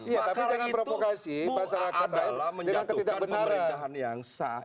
makar itu buka adalah menjatuhkan pemerintahan yang sah